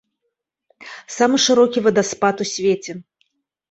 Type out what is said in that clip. Самы шырокі вадаспад у свеце.